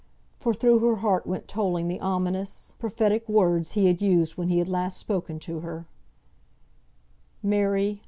For through her heart went tolling the ominous, prophetic words he had used when he had last spoken to her "Mary!